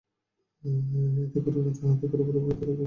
এতে করে তারা হাদিথার ওপরে অব্যাহতভাবে আক্রমণ চালিয়ে যেতে সক্ষম হচ্ছে।